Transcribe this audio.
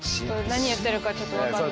何言ってるかちょっと分かんない。